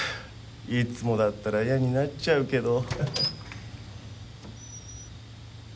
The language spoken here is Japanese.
いつもだったら嫌になっちゃうけど。